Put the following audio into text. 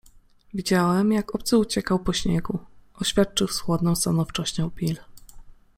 - Widziałem, jak obcy uciekał po śniegu - oświadczył z chłodną stanowczością Bill. -